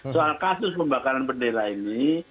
soal kasus pembakaran bendela ini